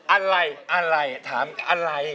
อะไรอะไรถามอะไร